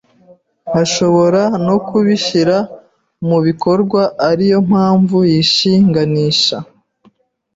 ashobora no kubishyira mu bikorwa ariyo mpamvu yishinganisha: